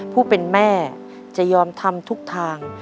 ผู้เป็นแม่จะยอมทำทุกทาง